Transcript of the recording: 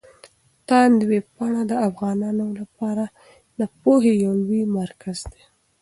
تاند ویبپاڼه د افغانانو لپاره د پوهې يو لوی مرکز دی.